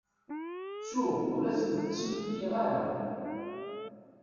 Ttuɣ, ur asent-tt-in-fkiɣ ara.